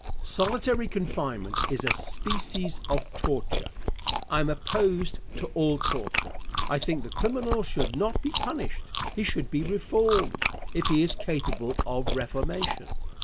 Answer. Solitary confinement is a species of torture. I am opposed to all torture. I think the criminal should not be punished. He should be reformed, if he is capable of reformation.